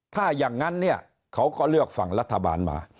ถ้าอย่างนั้นเนี่ยเขาก็เลือกฝั่งรัฐบาลมา